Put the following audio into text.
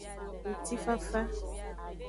Ngutifafa.